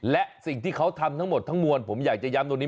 และสิ่งที่เขาทำทั้งหมดทั้งมวลผมอยากจะย้ำตรงนี้